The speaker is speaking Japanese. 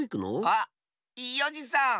あっいいおじさん！